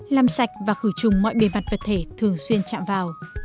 làm sạch và khử trùng mọi bề mặt vật thể thường xuyên chạm vào